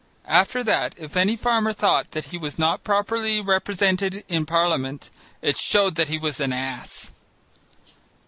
After that if any farmer thought that he was not properly represented in Parliament, it showed that he was an ass.